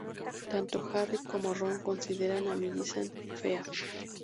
Tanto Harry como Ron consideran a Millicent fea.